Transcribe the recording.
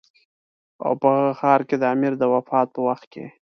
او په هغه ښار کې د امیر د وفات په وخت کې.